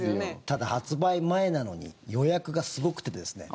ただ、発売前なのに予約がすごくてですね。